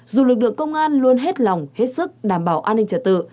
dù lực lượng công an luôn hết lòng hết sức đảm bảo an ninh trật tự